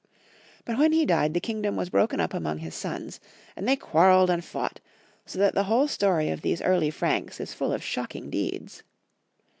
But when he died the kingdom was broken up among his sons, and they quarreled and fought, so that the whole story of these early Franks is full of shocking deeds.